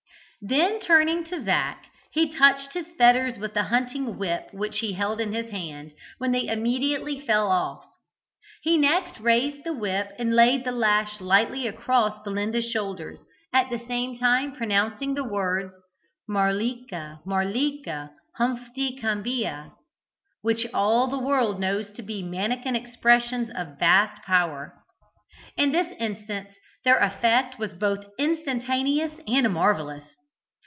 Then turning to Zac he touched his fetters with the hunting whip which he held in his hand, when they immediately fell off. He next raised the whip and laid the lash lightly across Belinda's shoulders, at the same time pronouncing the words "Marlika, Marlika, humphty cambia," which all the world knows to be Mannikin expressions of vast power. In this instance their effect was both instantaneous and marvellous.